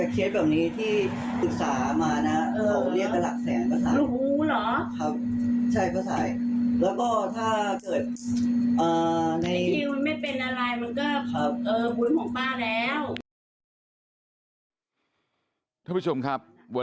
เออบุญของป้าแล้ว